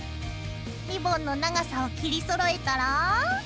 リボンの長さを切りそろえたら。